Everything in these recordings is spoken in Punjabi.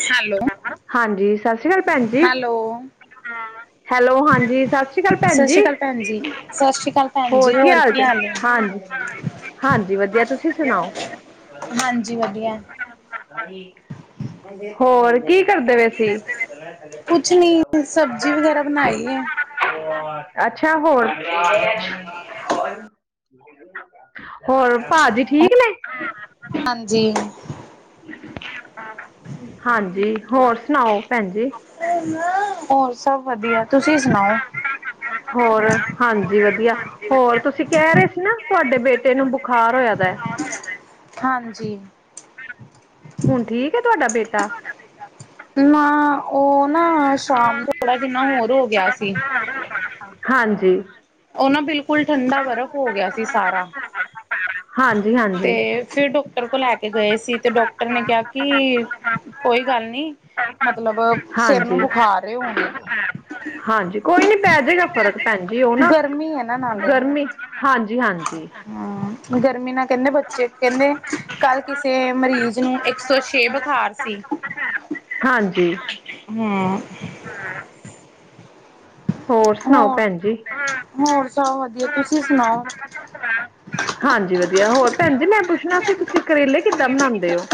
ਹੈਲੋ ਹਾਂਜੀ ਸਤਿ ਸ੍ਰੀ ਅਕਾਲ ਭੈਣ ਜੀ, ਹੈਲੋ ਹੈਲੋ ਹਾਂਜੀ, ਸਤਿ ਸ੍ਰੀ ਅਕਾਲ ਭੈਣ ਸਤਿ ਜੀ, ਸ਼੍ਰੀ ਅਕਾਲ ਭੈਣ ਜੀ ਸਤਿ ਸ਼੍ਰੀ ਅਕਾਲ ਭੈਣ ਜੀ ਹੋਰ ਕੀ ਹਾਲ ਜੇ, ਹੈ ਹਾਂਜੀ-ਹਾਂਜੀ ਵਧੀਆ ਤੁਸੀਂ ਸੁਣਾਓ ਹਾਂਜੀ ਵਧੀਆ [inaudible] ਹੋਰ ਕੀ ਕਰਦੇ ਪਏ ਸੀ ਕੁਛ ਨੀ ਸਬਜ਼ੀ ਵਗੈਰਾ ਬਣਾਈ ਹੈ ਅੱਛਾ, ਹੋਰ ਹੋਰ ਭਾਜੀ ਠੀਕ ਨੇ ਹਾਂਜੀ ਹਾਂਜੀ, ਹੋਰ ਸੁਣਾਓ ਭੈਣ ਜੀ ਹੋਰ ਸਭ ਵਧੀਆ ਤੁਸੀਂ ਸੁਣਾਓ ਹੋਰ ਹਾਂਜੀ ਵਧੀਆ ਹੋਰ ਤੁਸੀਂ ਕਹਿ ਰਹੇ ਸੀ ਨਾ ਤੁਹਾਡੇ ਬੇਟੇ ਨੂੰ ਬੁੱਖ ਖਾਰ ਹੋਇਆ ਦਾ ਹੈ ਹਾਂਜੀ ਹੁਨ ਠੀਕ ਏ ਤੁਆਡਾ ਬੇਟਾ? ਨਾ, ਓ ਨਾ ਸ਼ਾਮ [unintelligible] ਜਿੰਨਾ ਹੋਰ ਹੋ ਗੇਆ ਸੀ ਹਾਂਜੀ ਨਾ ਬਿਲ ਫੁਲ ਠੰਡਾ ਬਰਫ਼ ਹੋ ਗਿਆ ਸੀ ਸਾਰਾ ਹਾਂਜੀ ਤੇ ਹਾਂਜੀ ਫਿਰ ਡਾਕਟਰ ਕੋਲ ਲੈ ਕੇ ਗਏ ਸੀ ਤੇ ਡਾਕਟਰ ਨੇ ਕਿਹਾ ਕਿ ਕੋਈ ਗੱਲ ਨੀ ਮਤਲਬ ਸਿਰ ਹਾਂਜੀ ਨੂੰ ਬੁਖਾਰ ਏ ਓਹਨਾ ਦੇ [unintelligible] ਹਾਂਜੀ ਕੋਈ ਨੀ ਪੈ ਜਾਏਗਾ ਫ਼ਰਕ ਭੈਣ ਜੀ ਉਹ ਨਾ ਗਰਮੀ ਹੈ, ਨਾ-ਨਾ ਹਾਲੇ ਗਰਮੀ ਨੀ ਹਾਂਜੀ ਹਾਂਜੀ ਹੂੰ ਗਰਮੀ ਨਾਲ ਕਹਿੰਦੇ ਬੱਚੇ ਕਹਿੰਦੇ, ਕੱਲ ਕਿਸੇ ਮਰੀਜ਼ ਨੂੰ ਇੱਕ ਸੌ ਛੇ ਬੁਖਾਰ ਸੀ ਹਾਂਜੀ ਹੂੰ ਹੋਰ ਸੁਣਾਓ ਭੈਣ ਜੀ? ਹੋਰ ਸਭ ਵਧੀਆ ਤੁਸੀਂ ਸੁਣਾਓ ਹਾਂਜੀ, ਵਧੀਆ ਹੋਰ ਭੈਣ ਜੀ ਮੈਂ ਪੁੱਛਣਾ ਸੀ, ਤੁਸੀਂ ਕਰੇਲੇ ਕਿੱਦਾਂ ਬਣਾਉਦੇ ਹੋ?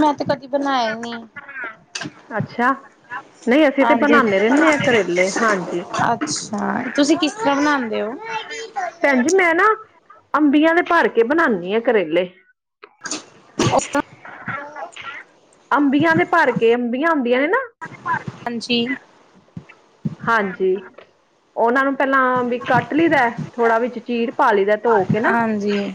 ਮੈਂ ਤੇ ਕ ਬਣਾਏ ਨੀ ਅੱਛਾ ਨਹੀਂ ਅਸੀਂ ਤੇ ਹਾਂਜੀ ਬਣਾਉਦੇ ਅੱਛਾ, ਰਹਿੰਦੇ ਹਾਂ ਕਰੇਲੇ ਹਾਂਜੀ ਤੁਸੀਂ ਕਿਸ ਤਰ੍ਹਾਂ ਬਣਾਦੇ ਹੋ? ਭੈਣ ਜੀ ਮੈਂ ਨਾ ਅੰਬੀਆਂ ਦੇ ਭਰ ਕੇ ਬਣਾਨੀ ਹਾਂ ਕਰੇਲੇ ਉਸਤਾ ਅੰਬੀਆਂ ਦੇ ਭਰ ਕੇ ਅੰਬੀਆਂ ਆਦੀਆਂ ਨੇ ਨਾ ਹਾਂਜੀ ਹਾਂਜੀ ਉਹਨਾਂ ਨੂੰ ਪਹਿਲਾਂ ਵੀ ਕੱਟ ਲਈਦੈ ਥੋੜਾ ਵਿਚ ਚੀਰ ਪਾ ਲਈਦੈ ਧੋ ਕੇ ਨਾ ਹਾਂਜੀ,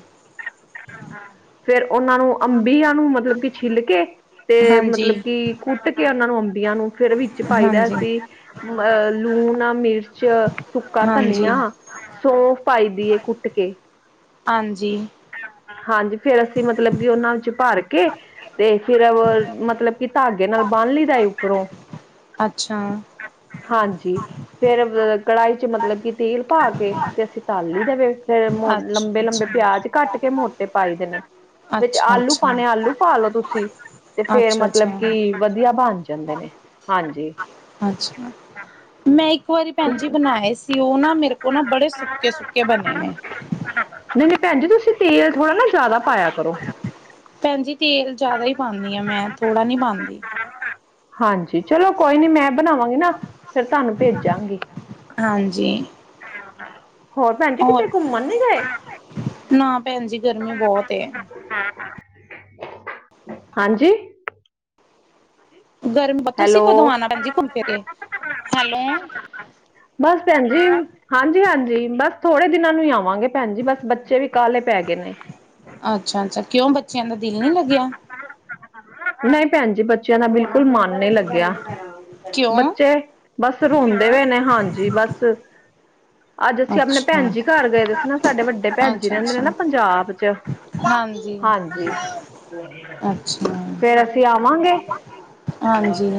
ਫੇਰ ਉਹਨਾਂ ਨੂੰ ਅੰਬੀਆਂ ਨੂੰ ਮਤਲਬ ਕਿ ਛਿੱਲ ਕੇ ਤੇ ਹਾਂਜੀ, ਮਤਲਬ ਕਿ ਕੁੱਟ ਕੇ ਉਹਨਾਂ ਨੂੰ ਅੰਬ ਬੀਆਂ ਨੂੰ ਫਿਰ ਵਿੱਚ ਪਾਈਦੈ ਹਾਂਜੀ, ਅਸੀ ਅਹ ਲੂਣ ਨਾਲ ਮਿਰਚ ਚ ਸੁੱਕਾ ਹਾਂਜੀ। ਧਨੀਆ, ਸੌਫ ਪਾਈਦੀ ਏ ਕੁੱਟ ਕੇ ਹਾਂਜੀ, ਹਾਂਜੀ ਫੇਰ ਅਸੀਂ ਮਤਲਬ ਕਿ ਉਹਨਾਂ ਵਿੱਚ ਭਰ ਕੇ ਤੇ ਫਿਰ ਮਤਲਬ ਕਿ ਧਾਗੇ ਨਾਲ ਬਾਹਨ ਲਈਦੈ ਉੱਪਰੋਂ ਅੱਛਾ ਹਾਂਜੀ ਫੇਰ ਅ ਕੜਾਹੀ ਚ ਮਤਲਬ ਕਿ ਤੇਲ ਪਾ ਕੇ ਤੇ ਅਸੀਂ ਤੱਲ ਲਈਦੇ ਵੇ ਫਿਰ ਮੋ ਅੱਛਾ, ਅੱਛਾ। ਲੰਬੇ-ਲੰਬੇ ਪਿਆਜ ਕੱਟ ਕੇ ਮੋਟ ਪਾਈਦੇ ਨੇ ਵਿੱਚ ਅੱਛਾ, ਆਲੂ ਅੱਛਾ, ਪਾਣੇ ਆਲੂ ਪਾ ਲਓ ਤੁਸੀਂ ਤੇ ਫੇਰ ਅੱਛਾ, ਮਤਲਬ ਅੱਛਾ, ਕਿ ਵਧੀਆ ਬਣ ਜਾਂਦੇ ਨੇ ਹਾਂਜੀ ਅਛਾ ਮੈਂ ਇੱਕ ਵਾਰੀ ਭੈਣ ਤੁਸੀਂ ਜੀ ਬਣਾਏ ਸੀ ਉਹ ਨਾ ਮੇਰੇ ਕੋਲ ਨਾ ਬੜੇ ਸੁੱਕੇ-ਸੁੱਕੇ ਬਣੇ ਨੇ ਭੈਣਜੀ ਤੁਸੀ ਤੇਲ ਥੋੜਾ ਨਾ ਜ਼ਿਆਦਾ ਪਾਇਆ ਕਰੋ ਭੈਣਜੀ ਤੇਲ ਜਿਆਦਾ ਹੀ ਪਾਂਦੀ ਆਂ ਮੈਂ ਥੋੜ੍ਹਾ ਨੀ ਪਾਂਦੀ ਹਾਂਜੀ ਚਲੋ ਕੋਈ ਨੀ ਮੈਂ ਬਣਾਵਾਂ ਨਾ ਫਿਰ ਤੁਹਾਨੂੰ ਭੇਜਾਂਗੀ ਹਾਂਜੀ। ਹੋਰ ਭੈਣ ਜੀ ਕਿਤੇ ਘੁੰਮਣ ਨੀ ਗਏ ਨਾ ਭੈਣ ਜੀ ਗਰਮੀ ਬਹੁਤ ਏ। [unintelligible] ਹਾਂਜੀ ਗਰਮ ਤੁਸੀਂ ਹੈਲੋ ਕਦੋਂ ਆਉਣਾ ਭੈਣ ਜੀ ਘੁੰਮ ਫਿਰ ਕੇ ਹੈਲੋ ਬਸ ਭੈਣ ਜ ਹਾਂਜੀ। ਹਾਂਜੀ ਬਸ ਥੋੜੇ ਦਿਨਾਂ ਨੂੰ ਹੀ ਆਵਾਂਗੇ ਭੈਣ ਜਜੀ ਬਸ ਬੱਚੇ ਵੀ ਕਾਲੇ ਪੈ ਗਏ ਨੇ। ਅੱਛਾ ਅੱਛਾ ਕਿਉਂ ਬੱਚੇ ਬੱਚਿਆਂ ਦਾ ਦਿਲ ਨੀ ਲੱਗਿਆ। ਨਹੀਂ ਭੈਣ ਜੀ ਬੱਚਿਆਂ ਦਾ ਬਿਲਕੁਲ ਬਿਲਕੁਲ ਮਨ ਨੀ ਲੱਗਿਆ ਕਿਉਂ ਬੱਚੇ ਬਸ ਰੋਂਦੇ ਹੋਏ ਨੇ ਹਾਂਜੀ ਬਸ ਅੱਜ ਅਸੀਂ ਆਪਣੇ ਭੈਣ ਅੱਛਾ। ਜੀ ਘਰ ਗਏ ਦੇ ਸੀ ਨਾ ਸਾਡੇ ਵੱਡੇ ਭੈਣ ਜੀ ਅੱਛਾ ਰਹਿੰਦੇ ਨੇ ਅੱਛਾ ਨਾ ਪੰਜਾਬ ਚ ਹਾਂਜੀ ਹਾਂਜੀ। ਅੱਛਾ। ਫਿਰ ਅਸੀਂ ਆਵਾਂਗੇ ਹਾਂਜੀ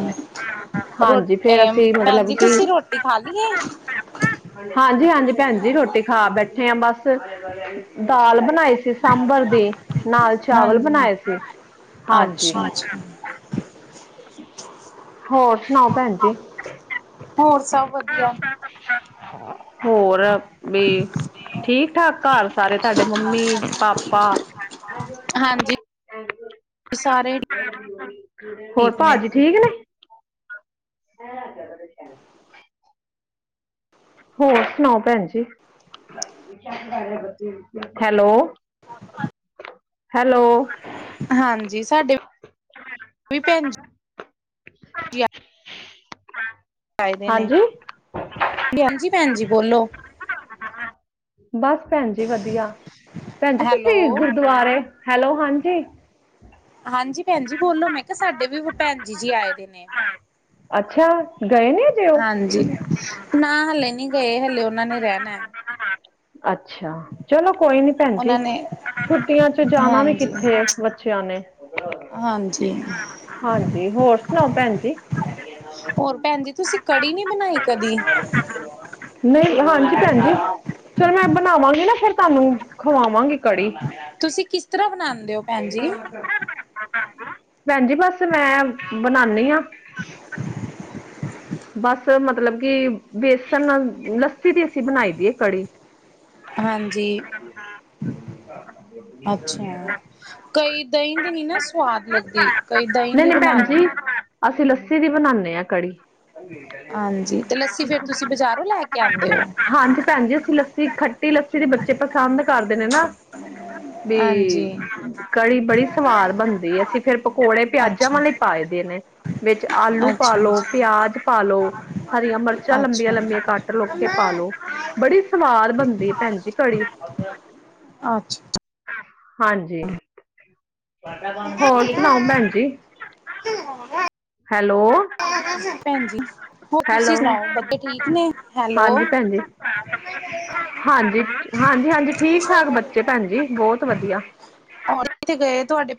ਰੋ ਹਾਂਜੀ ਫਿਰ ਅਸੀਂ ਭੈਣ ਮਤਲਬ ਜੀ ਕਿ ਤੁਸੀਂ ਰੋਟੀ ਖਾ ਲਈ ਏ ਹਾਂਜੀ ਹਾਂਜੀ। ਭੈਣ ਜੀ ਰੋਟੀ ਖਾ ਬੈਠੇ ਹਾਂ ਬਸ ਦਾਲ ਬਣਾਈ ਸੀ ਸਾਂਬਰ ਦੀ ਨਾਲ ਚਾਵਲ ਹਾਂਜੀ। ਬਣਾਏ ਸੀ ਹਾਂਜੀ। ਅੱਛਾ ਅੱਛਾ ਹੋਰ ਸੁਣਾਓ ਭੈਣ ਜੀ? ਹੋਰ ਸਭ ਵਧੀਆ। ਹੋਰ? ਵੀ ਠੀਕ ਠਾਕ ਘਰ ਸਾਰੇ ਤੁਹਾਡੇ ਮੰਮੀ ਪਾਪਾ ਹਾਂਜੀ ਸਾਰੇ ਹੋਰ ਠੀਕ ਨੇ ਭਾਜੀ ਠੀਕ ਨੇ। ਹੈ ਕਦੋਂ ਦੇਖਿਆ। ਹੋਰ ਸੁਣਾਓ ਭੈਣ ਜੀ ਹੈਲੋ? [unintelligible] ਹੈਲੋ। ਹਾਂਜੀ ਸਾਡੇ ਵੀ ਭੈਣ ਜੀ ਹ। ਆਏ ਦੇ ਨੇ ਹਾਂਜੀ ਹਾਂਜੀ ਭੈਣ ਜੀ ਬੋਲੋ ਬਸ ਭੈਣ ਜ ਵਧੀਆ ਭੈਣ ਜ ਹੈਲੋ ਤੁਸੀਂ ਗੁਰਦੁਆਰੇ ਹੈਲੋ ਹਾਂਜੀ। ਹਾਂਜੀ ਭੈਣ ਜੀ ਬੋਲੋ ਮੈਂ ਕਿਹਾ ਸਾਡੇ ਵੀ ਭੈਣ ਜੀ ਜੀ ਆਏ ਦੇ ਨੇ ਅੱਛਾ ਗਏ ਨੇ ਅਜੇ ਉਹ ਹਾਂਜੀ ਨਾ ਹਲੇ ਨਹੀਂ ਗਏ ਹਲੇ ਉਹਨਾਂ ਨੇ ਰਹਿਣਾ। ਅੱਛਾ ਚਲੋ ਕੋਈ ਨੀ ਭੈਣ ਜ ਉਹਨਾਂ ਨੇ ਛੁੱਟੀਆਂ ਚ ਜਾਣਾ ਵੀ ਹਾਂਜੀ ਕਿੱਥੇ ਬੱਚਿਆਂ ਨੇ। ਹਾਂਜੀ ਹਾਂਜੀ ਹੋਰ। ਸੁਣਾਓ ਭੈਣ ਜੀ। ਹੋਰ ਭੈਣ ਜੀ ਤੁਸੀਂ ਕੜੀ ਨਹੀਂ ਬਣਾਈ ਕਦ। ਨਹੀਂ ਹਾਂਜੀ ਭੈਣ ਜੀ ਚਲੋ ਮੈਂ ਬਣਾਵਾਂਗੀ ਨਾ ਫਿਰ ਤੁਹਾਨੂੰ ਖਵਾਵਾਂਗੀ ਕੜੀ। ਤੁਸੀਂ ਕਿਸ ਤਰ੍ਹਾਂ ਬਣਾਉਂਦੇ ਹੋ ਭੈਣ ਜੀ? ਭੈਣ ਜ ਬਸ ਮੈਂ ਬਣਾਉਦੀ ਹਾਂ। [inaudible] ਬਸ, ਮਤਲਬ ਕਿ ਬੇਸਨ ਨਾਲ, ਲੱਸੀ ਦੀ ਅਸੀ ਬਨਾਈ ਦੀ ਏ ਕੜੀ [inaudible] ਹਾਂਜੀ ਅੱਛਾ ਕਈ ਦਹੀਂ ਦੀ ਨੀ ਨਾ ਸਵਾਦ ਲੱਗਦੀ ਕਈ ਦਹੀਂ ਦੀ ਨੀ-ਨਈ ਬਣਾ ਭੈਨਜੀ ਲੈਂਦੇ ਨੇ। ਅਸ ਲੱਸ ਦੀ ਬਨਾਂਨੇ ਆਂ ਕੜੀ [unintelligible] ਹਾਂਜੀ ਤੇ ਲੱਸੀ ਫੇਰ ਤੁਸੀਂ ਬਾਜ਼ਾਰੋਂ ਲੈ ਕੇ ਆਂਦੇ ਹੋ ਪਸੰਦ ਕਰਦੇ ਨੇ ਨਾ ਵੀ, ਹਾਂਜੀ। ਕੜੀ ਬੜੀ ਸਵਾਦ ਬਨਦੀ ਏ ਅਸੀਂ ਫੇਰ ਪਕੌੜੇ ਪਿਆਜਾਂ ਅੱਛਾ, ਵਾਲੇ ਪਾਏ ਦੇ ਨੇ। ਵਿੱਚ ਆਲੂ ਅੱਛਾ, ਪਾਲੋ ਪੇਆਜ ਪਾਲੋ ਹਰੀਆਂ ਮਰਚਾਂ ਅੱਛਾ, ਲੰਬੀਆਂ-ਲੰਬੀਆਂ ਕੱਟ ਲੋ, ਤੇ ਪਾਲੋ ਬੜੀ ਸਵਾਦ ਬਨਦੀ ਏ ਭੈਨਜੀ ਕੜੀ ਅੱਛਾ ਹਾਂਜੀ, ਹੋਰ ਸੁਨਾਓ ਭੈਨਜੀ? [inaudible] ਹੈਲੋ ਭੈਨਜੀ ਹੋਰ ਹੈਲੋ ਤੁਸੀ ਸੁਨਾਓ, ਬੱਚੇ ਠੀਕ ਨੇ? ਹੈਲੋ, ਹਾਂਜੀ ਭੈਣ ਜੀ ਹਾਂਜੀ ਹਾਂਜੀ ਹਾਂਜੀ ਠੀਕ ਠਾਕ ਬੱਚੇ ਭੈਣ ਜੀ ਬਹੁਤ ਵਧੀਆ ਕਿਥੇ ਗਏ ਥੋਡੇ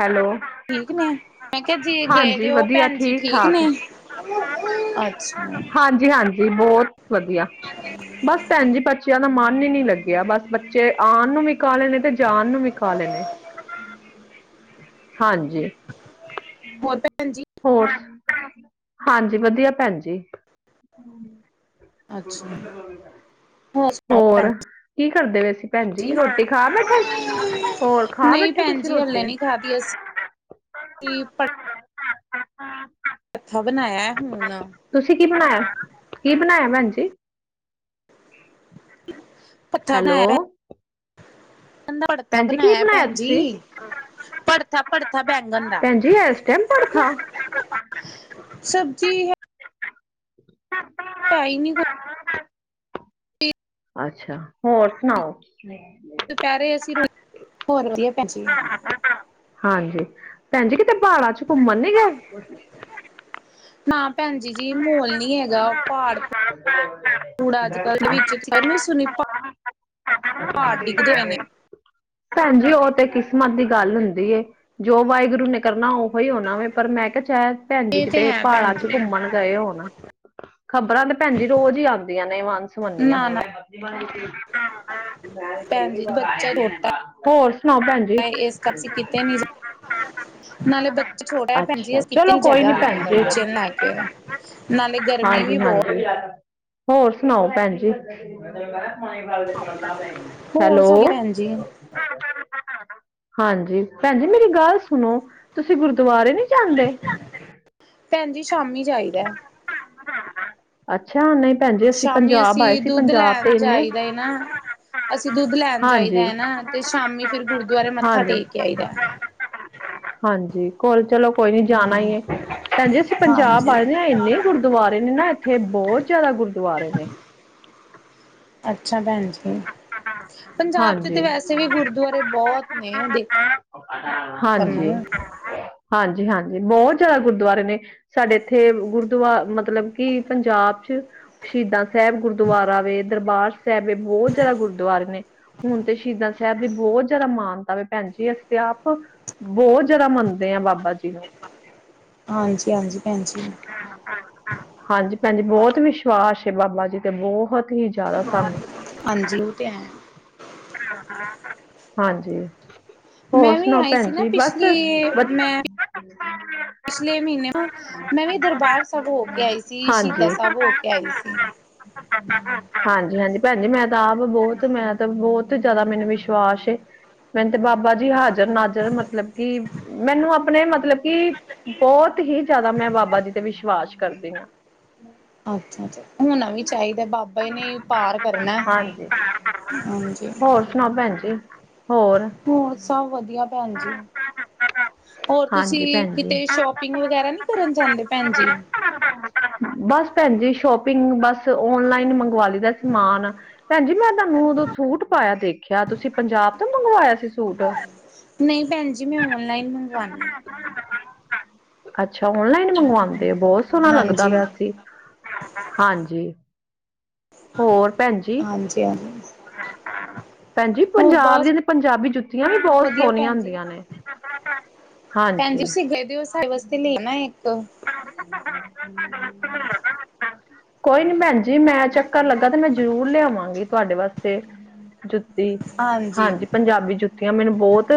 ਹੈਲੋ ਠੀਕ ਨੇਂ? ਜੇ ਗਏ ਹਾਂਜੀ ਦੇ ਹੋ ਵਧੀਆ ਭੈਣ ਜੀ ਠੀਕ ਠਾਕ ਨੇ ਅਛਾ ਵੀ ਬਹੁਤ ਵਧੀਆ ਬਸ ਭੈਣ ਜੀ ਪਰ ਬੱਚਿਆਂ ਦਾ ਮਨ ਹੀ ਨੀ ਲੱਗਿਆ ਬਸ ਬੱਚੇ ਆਉਣ ਨੂੰ ਵੀ ਕਾਲੈ ਣੇ ਤੇ ਜਾਨ ਨੂੰ ਵੀ ਕਾਲੈ ਣੇ ਹਾਂਜੀ ਹੋਰ ਭੈਣ ਜੀ ਹੋਰ ਹਾਂਜੀ ਵਧੀਆ ਭੈਣ ਜੀ ਅੱਛਾ [inaudible] ਸੁਣਾਓ ਹੋਰ ਭੈਣ ਕੀ ਕਰਦੇ ਵ ਅਸੀ ਭੈਣਜੀ ਜੀ ਰੋਟੀ ਖਾ ਬੈਠੇ ਹੋਰ ਖਾ ਨਹੀਂ ਬੈਠੇ ਭੈਣ ਤੁਸੀ ਜੀ ਰੋਟੀ ਹਲੇ ਨੀ [inaudible] ਖਾਦੀ ਅਸੀਂ ਭੜਥਾ ਬਣਾਇਆ ਹੁਣ ਤੁਸੀਂ ਕੀ ਬਣਾਇਆ ਕੀ ਬਣਾਇਆ ਭੈਣ ਜੀ ਹੈਲੋ [unintelligible] ਦਾ ਭੜਥਾ ਭੈਣ ਜੀ ਕੀ ਬਣਾਇਆ ਤੁਸੀਂ? ਭੈਣਜੀ ਭੜਥਾ-ਭੜਥਾ ਬੈਂਗਣ ਦਾ ਭੈਣ ਜੀ ਇਸ ਟਾਈਮ ਭੜਥਾ ਸਬਜ਼ੀ [inaudible] ਆਈ ਨਹੀਂੀ ਕੋਈ ਠੀਕ ਅੱਛਾ ਹੋਰ ਸੁਣਾਓ ਦੁਪਹਿਰੇ ਅਸੀਂ ਰ ਹੋਰ ਹੋਰ ਵਧੀਆ ਭੈਣ ਜੀ ਹਾਂਜੀ ਭੈਣ ਜੀ ਕਿ ਤੇ ਪਹਾੜਾਂ ਚ ਘੁੰਮਣ ਨੀ ਗਏ? ਨਾ ਭੈਨ ਜੀ, ਜੀ ਮੋਹਲ ਨੀ ਹੈਗਾ ਪਹਾੜ [unintelligible] ਅੱਜ ਕੱਲ੍ਹ ਵਿੱਚ ਗ ਨੀ ਸੁਨੀ ਪਾੜ ਪੂੜ ਡਿੱਗਦੇ ਪੇ ਨੇ। ਭੈਣ ਜੀ ਉਹ ਤੇ ਕਿਸਮਤ ਦੀ ਗੱਲ ਹੁੰਦੀ ਏ ਜੋ ਵਾਹਿਗੁਰੂ ਨੇ ਕਰਨਾ ਉਹ ਹੋਈ ਹੋਨਾ ਵੇ, ਪਰ ਮੈਂ ਕੇਆ ਸ਼ ਭੈਂਜੀ ਇਹ ਤੇ ਕਿਤੇ ਹੈ ਪਾਹੜਾਂ ਭੈਣ ਚ ਜੀ ਘੁੰਮਣ ਗਏ ਹੋਨ। ਖ਼ਬਰਾਂ ਤੇ ਭੈਣਜੀ ਰੋਜ਼ ਈ ਆਦੀਆਂ ਨੇ ਵਾਂ ਸਮੰਨੀਆਂ ਨਾ ਹੈ ਨਾ ਭੈਣ ਜੀ ਬੱਚਾ ਛੋਟਾ [unintelligible] [inaudible] ਹੋਰ [unintelligible] ਨਾਲੇ ਬੱਚਾ ਛੋਟੈ ਐ ਭੈਨ ਜੀ, ਅੱਛਾ ਅਸੀ ਕਿਤੇ ਚਲੋ ਨੀ, ਕੋਈ ਹਾਲੇ ਭੈਣ ਬੱਚੇ ਜੀ। ਨੂੰ ਲੈ ਕੇ ਨਾਲੇ ਗਰਮੀ ਵੀ ਹਾਂਜੀ ਬਹੁਤ ਹਾਂਜੀ ਹੋਰ ਸੁਣਾਓ ਭੈਣ ਜੀ? ਹੋਰ ਹੈਲੋ ਸਾਡੀ ਭੈਣ ਜੀ ਹਾਂਜੀ। ਭੈਜੀ ਮੇਰੀ ਗੱਲ ਸੁਨੋ, ਤੁਸੀਂ ਗੁਰਦਵਾਰੇ ਨੀ ਭੈਣ ਜੀ ਸ਼ਾਮੀ ਜਾਈਦੈ। ਅੱਛਾ ਨੲ ਸ਼ਾਮੀ ਅਸੀਂ ਦੁੱਧ ਲੈਨ ਇੰਨੇ ਜਾਈਦਾ ਏ ਨਾ, ਅਸੀਂ ਦੁੱਧ ਲੈਨ ਜਾਈਦਾ ਹਾਂਜੀ ਐ ਨਾ ਤੇ ਸ਼ਾਮੀ ਫਿਰ ਗੁਰਦੁਆਰੇ ਮੱਥਾ ਹਾਂਜੀ ਟੇਕ ਕੇ ਆਈ ਦੈ। ਜੀ ਕਾਲਜ ਚਲੋ ਕੋਈ ਨੀ ਜਾਣਾ ਈ ਏ ਭੈਣਜੀ ਅਸੀਂ ਪੰਜਾਬ ਹਾਂਜੀ ਆਏ ਇੰਨੇ ਗੁਰਦਵਾਰੇ ਨੇ ਨਾ, ਏਥੇ ਬੋਹਤ ਜ਼ਿਆਦਾ ਗੁਰਦਵਾਰੇ ਨੇ। ਅੱਛਾ ਭੈਣ ਪੰਜਾਬ ਚ ਤੇ ਹਾਂਜੀ ਵੈਸੇ ਵੀ ਗੁਰਦਵਾਰੇ ਬੋਤ ਨੇ ਦੇਖਨ ਹਾਂਜੀ ਨੂੰ। ਹਾਂਜੀ ਹਾਂਜੀ ਬਹੁਤ ਜ਼ਿਆਦਾ ਗੁਰਦੁਆਰੇ ਨੇ ਸਾਡੇ ਇੱਥੇ ਗੁਰਦੁਆਰਾ ਮਤਲਬ ਕਿ ਪੰਜਾਬ ਚ ਸ਼ਹੀਦਾਂ ਸਾਹਿਬ ਗੁਰਦੁਆਰਾ ਵੇ ਦਰਬਾਰ ਸਾਹਿਬ ਵੇ ਬਹੁਤ ਜ਼ਿਆਦਾ ਗੁਰਦੁਆਰੇ ਨੇ ਹੁਣ ਤੇ ਸ਼ਹੀਦਾਂ ਸਾਹਿਬ ਵੀ ਬਹੁਤ ਜ਼ਿਆਦਾ ਮਾਨਤਾ ਵੇ ਭੈਣ ਜੀ ਅਸੀਂ ਤੇ ਆਪ ਬਹੁਤ ਜ਼ਿਆਦਾ ਮੰਨਦੇ ਆ ਬਾਬਾ ਜੀ ਨੂੰ। ਹਾਂਜੀ, ਹਾਂਜੀ ਭੈਨ ਜੀ। ਹਾਂਜੀ ਭੈਣਜੀ ਬਹੁਤ ਵਿਸ਼ਵਾਸ ਏ ਬਾਬਾ ਜੀ ਤੇ ਬਹੁਤ ਹੀ ਜ਼ਿਆਦਾ ਸਾਨੂੰ। ਹਾਂਜੀ ਉਹ ਤੇ ਐ। ਹਾਂਜੀ ਹੋਰ ਮੈਂ ਵੀ ਸੁਣਾਓ ਆਈਂ ਭੈਣ ਸੀ ਨਾ, ਜੀ ਬਸ ਪਿਛਲੀ- ਮੈਂ ਬੱਚ- ਪਿਛਲੇ ਮ੍ਹੀਨੇ ਨਾ ਮੈਂ ਵੀ ਦਰਬਾਰ ਸਾਬ ਹੋ ਕੇ ਆਈ ਸੀ ਸੀ਼ਦਾ ਹਾਂਜੀ ਸਾਬ ਹੋ ਕੇ ਆਈ ਸੀ। ਹਾਂਜੀ, ਹਾਂਜੀ ਭੈਨ ਜੀ ਮੈਂ ਤਾ ਆਪ ਬੋਤ, ਮੈਂ ਤਾ ਬੋਤ ਬਹੁਤ ਜ਼ਿਆਦਾ ਮੈਨੂੰ ਵਿਸ਼ਵਾਸ ਏ, ਮੈਨੂੰ ਤੇ ਬਾਬਾ ਜੀ ਹਾਜ਼ਰ ਨਾਜ਼ਰ ਮਤਲਬ ਕਿ ਮੈਨੂੰ ਆਪਣੇ ਮਤਲਬ, ਕਿ ਬਹੁਤ ਹੀ ਜ਼ਿਆਦਾ ਮੈਂ ਬਾਬਾ ਜੀ ਤੇ ਵਿਸ਼ਵਾਸ ਕਰਦੀ ਆਂ। ਅੱਛਾ, ਅੱਛਾ ਹੋਨਾ ਵੀ ਚਾਈਦਾ ਬਾਬਾ ਈ ਨੇ ਪਾਰ ਕਰਨਾ, ਹਾਂਜੀ ਹਾਂਜੀ। ਹੋਰ ਸੁਨਾਓ, ਭੈਨ ਜੀ ਹੋਰ ਹੋਰ, ਸਬ ਵਦੀਆ ਭੈਣ ਜੀ, ਹੋਰ ਹਾਂਜੀ ਤੁਸੀਂ ਭੈਣ ਜੀ ਕਿਤੇ ਸ਼ੋਪਿੰਗ ਵਗੈਰਾ ਨੀ ਕਰਨ ਜਾਂਦੇ। ਭੈਣ ਜੀ ਬਸ ਭੈਣ ਜੀ ਸ਼ੋਪਿੰਗ, ਬਸ ਓਨਲਾਈਨ ਮੰਗਵਾ ਲਈ ਦਾ ਸਮਾਨ ਭੈਣ ਜੀ, ਮੈਂ ਤੁਹਾਨੂੰ ਉਦੋਂ ਸੂਟ ਪਾਇਆ ਦੇਖਿਆ। ਤੁਸੀਂ ਪੰਜਾਬ ਤੋਂ ਮੰਗਵਾਇਆ ਸੀ ਸੂਟ। ਨਹੀਂ, ਭੈਣ ਜੀ। ਮੈਂ ਔਨਲਾਈਨ ਮੰਗਵਾਉਦੀ ਆਂ। ਅੱਛਾ। ਓਨਲਾਈਨ ਮੰਗਵਾਉਣ ਗੇ ਬਹੋਤ ਆ। ਸੋਨਾ ਲੱਗਦਾ ਹਾਂਜੀ, ਪੇਆ ਸੀ। ਹਾਂਜ ਹੋਰ? ਭੈਂਜੀ, ਹਾਂਜੀ, ਹਾਂਜੀ ਭੈਂਜੀ ਹੋਰ ਪੰਜਾਬ ਬਸ ਦੀਆਂ ਪੰਜਾਬੀ ਜੁੱਤੀਆਂ ਵੀ ਬੋਤ ਸੋਨੀਆਂ ਹੁੰਦੀਆਂ। ਨੇ ਭੈਨ ਜੀ ਹਾਂਜੀ ਤੁਸੀਂ ਗਏ ਦੇ ਓ, ਸਾਡੇ ਵਾਸਤੇ ਲੇਨਾ ਏਕ। ਹੂੰ [unintelligible] ਕੋਈ ਨੀ ਭੈਨਜੀ ਜੀ ਮੈਂ ਚੱਕਰ ਲੱਗਾ, ਤੇ ਮੈਂ ਜ਼ਰੂਰ ਲਿਆਵਾਂਗੀ। ਤੁਹਾਡੇ ਵਾਸਤੇ ਜੁਤ ਤੇ ਹਾਂਜੀ, ਪੰਜਾਬੀ ਜੁੱਤੀਆਂ ਮੈਨੂੰ ਬੋਤ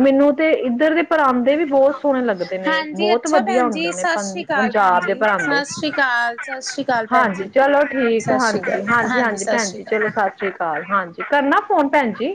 ਮੇਨੂੰ ਤੇ ਇੱਦਰ ਦੇ ਪਰਾਂਦੇ ਵੀ ਬੋਤ ਸੋਨੇ ਲੱਗਦੇ ਨੇ, ਹਾਂਜੀ ਬੋਤ ਅੱਛਾ ਵਦੀਆ ਭੈਣ ਹੁੰ ਜੀ ਸਤਿ ਸ਼੍ਰੀ ਅਕਾਲ ਭੈਣ ਪੰਜਾਬ ਦੇ ਜੀ, ਭਾਂਡੇ, ਸਤਿ ਸ਼੍ਰੀ ਅਕਾਲ, ਸਤਿ ਸ਼੍ਰੀ ਅਕਾਲ ਭੈਣ ਹਾਂਜੀ, ਜੀ। ਚਲੋ ਠੀਕ ਏ। ਸਤਿ ਸ਼੍ਰੀ ਹਾਂਜੀ, ਅਕਾਲ ਹਾਂਜੀ, ਹਾਂਜੀ ਸਤਿ ਭੈਣ ਸ਼੍ਰੀ ਜੀ, ਅਕਾਲ। ਚਲੋ ਸਤਿ ਸ੍ਰੀ ਅਕਾਲ। ਹਾਂਜੀ, ਕਰਨਾ ਫੋਨ ਭੈਨ ਜੀ।